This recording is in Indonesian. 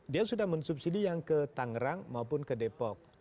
dia sudah mensubsidi yang ke tangerang maupun ke depok